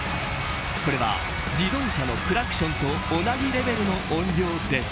これは自動車のクラクションと同じレベルの音量です。